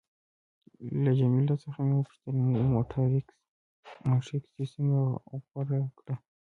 له جميله څخه مې وپوښتل: مونټریکس دې څنګه غوره کړ؟